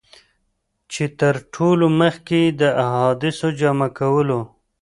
چي تر ټولو مخکي یې د احادیثو جمع کولو.